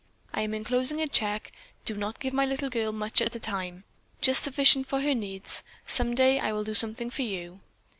I am enclosing a check. Do not give my little girl much at a time, just sufficient for her needs. Some day I will do something for you.